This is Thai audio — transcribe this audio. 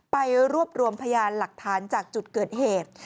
ไปรวบรวมพยานหลักฐานจากจุดเกิดเหตุ